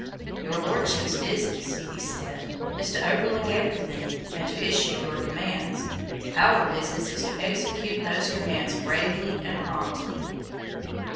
"Your Lordship's business," he said, "is to overlook every thing, and to issue your commands. Our business is to execute those commands bravely and promptly."